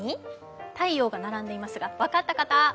太陽が並んでいますが、分かった方。